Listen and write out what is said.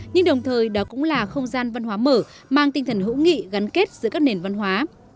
nhưng đồng thời đó cũng là không gian văn hóa mở mang tinh thần hữu nghị gắn kết giữa các nền văn hóa